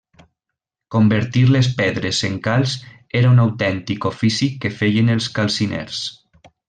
Convertir les pedres en calç era un autèntic ofici que feien els calciners.